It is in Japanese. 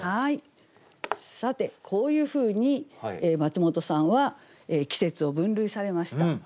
さてこういうふうにマツモトさんは季節を分類されました。